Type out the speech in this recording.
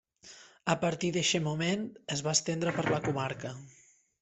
A partir d'eixe moment es va estendre per la comarca.